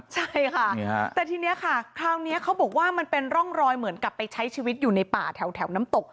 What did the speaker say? ใช่ค่ะแต่ทีนี้ค่ะคราวนี้เขาบอกว่ามันเป็นร่องรอยเหมือนกับไปใช้ชีวิตอยู่ในป่าแถวน้ำตก